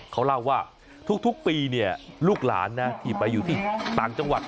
เขาเล่าว่าทุกปีเนี่ยลูกหลานนะที่ไปอยู่ที่ต่างจังหวัด